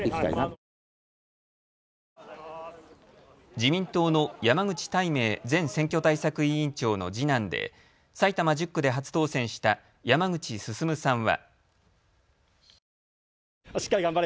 自民党の山口泰明前選挙対策委員長の次男で埼玉１０区で初当選した山口晋さんは。